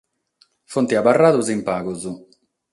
Sunt abarrados in pagos.